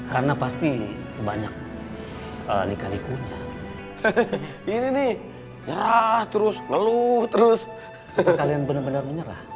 karena pasti banyak nikah nikahnya ini nih nyerah terus ngeluh terus kalian bener bener menyerah